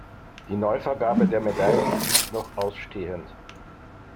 Die Neuvergabe der Medaillen ist noch ausstehend.